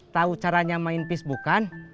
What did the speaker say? tau caranya main pis bukan